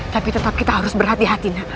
tapi tetap kita harus berhati hati